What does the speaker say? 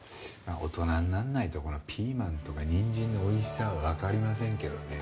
大人になんないとピーマンとかにんじんのおいしさはわかりませんけどね。